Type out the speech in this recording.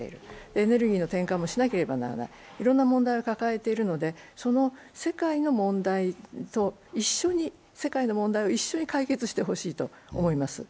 エネルギーの転換もしなければならない、いろんな問題を抱えているので、その世界の問題を一緒に解決してほしいと思います。